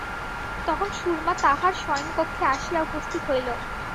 তখন সুরমা তাহার শয়নকক্ষে আসিয়া উপস্থিত হইল।